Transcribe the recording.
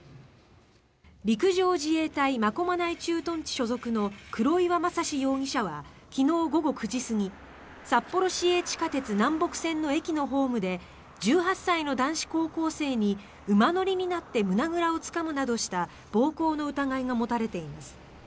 陸上自衛隊真駒内駐屯地所属の黒岩聖士容疑者は昨日午後９時過ぎ札幌市営地下鉄南北線の駅のホームで１８歳の男子高校生に馬乗りになって胸ぐらをつかむなどした暴行の疑いが持たれています。